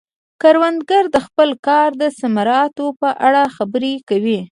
کروندګر د خپل کار د ثمراتو په اړه خبرې کوي